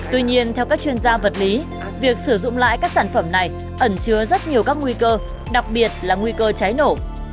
tuy nhiên theo các chuyên gia vật lý việc sử dụng lại các sản phẩm này ẩn chứa rất nhiều các nguy cơ đặc biệt là nguy cơ cháy nổ